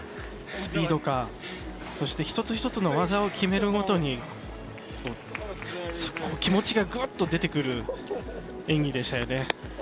スピード感、そして一つ一つの技を決めるごとに気持ちが、ぐっと出てくる演技でしたよね。